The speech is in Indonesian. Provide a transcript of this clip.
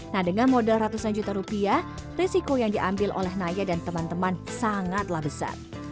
nah dengan modal ratusan juta rupiah resiko yang diambil oleh naya dan teman teman sangatlah besar